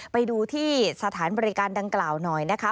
ไปดูที่สถานบริการดังกล่าวหน่อยนะคะ